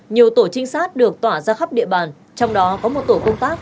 nhiều tổ trinh sát được tỏa ra khắp địa bàn trong đó có một tổ công tác